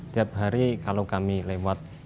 tiap hari kalau kami lewat